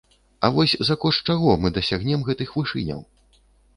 А вось за кошт чаго мы дасягнем гэтых вышыняў?